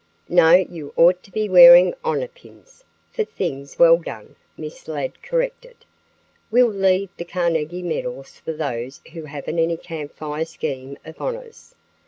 "No, you ought to be wearing honor pins, for things well done," Miss Ladd corrected. "We'll leave the Carnegie medals for those who haven't any Camp Fire scheme of honors.